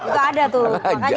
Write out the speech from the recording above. itu ada tuh makanya